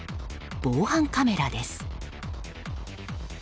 防犯カメラです。